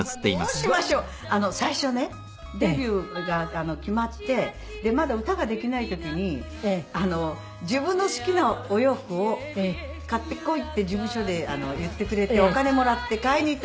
すごい。最初ねデビューが決まってまだ歌ができない時に「自分の好きなお洋服を買ってこい」って事務所で言ってくれてお金もらって買いにいった。